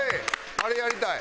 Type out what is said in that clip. あれやりたい！